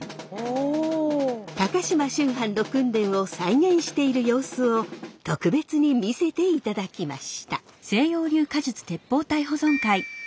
高島秋帆の訓練を再現している様子を特別に見せていただきました。